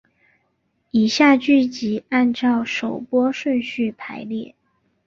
以下剧集按照首播顺序排列。